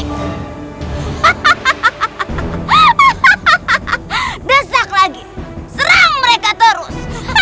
hahaha besok lagi serang mereka terus